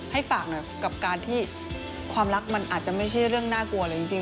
ให้ฝากหน่อยกับการที่ความรักมันอาจจะไม่ใช่เรื่องน่ากลัวเลยจริง